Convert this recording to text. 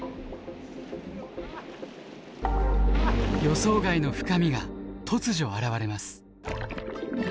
予想外の深みが突如現れます。